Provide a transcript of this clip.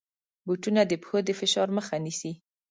بوټونه د پښو د فشار مخه نیسي.